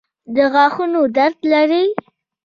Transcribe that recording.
د غاښونو درد لرئ؟